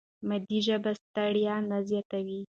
مادي ژبه ستړیا نه زیاتوي.